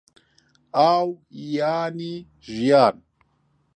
ئاو یانی ژیان